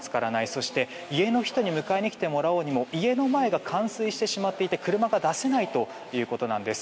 そして家の人に迎えに来てもらおうにも家の前が冠水していて車が出せないということです。